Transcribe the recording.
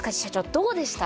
どうでした？